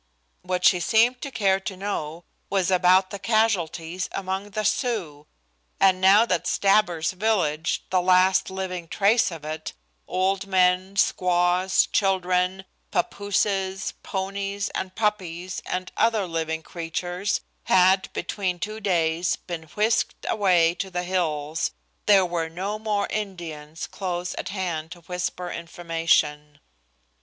What she seemed to care to know was about the casualties among the Sioux, and, now that Stabber's village, the last living trace of it, old men, squaws, children, pappooses, ponies and puppies and other living creatures had, between two days, been whisked away to the hills, there were no more Indians close at hand to whisper information.